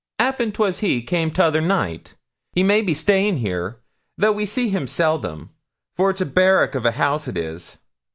''Appen 'twas he come 'tother night. He may be staying here, though we see him seldom, for it's a barrack of a house it is.'